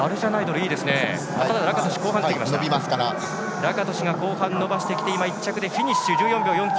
ラカトシュが後半伸ばしてきて１着でフィニッシュ１４秒４９。